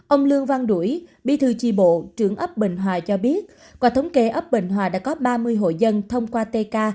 ông lương văn đuổi bi thư chi bộ trưởng ấp bình hòa cho biết quả thống kê ấp bình hòa đã có ba mươi hội dân thông qua tk